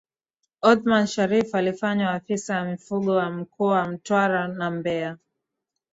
Othman Sharrif alifanywa Afisa Mifugo wa Mkoa Mtwara na Mbeya